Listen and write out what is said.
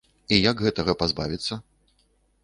І як гэтага пазбавіцца?